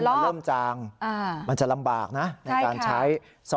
มันเริ่มจางมันจะลำบากนะในการใช้